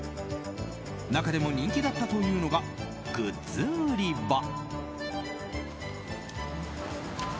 中でも人気だったというのがグッズ売り場。